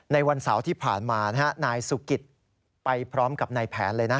วันเสาร์ที่ผ่านมานายสุกิตไปพร้อมกับนายแผนเลยนะ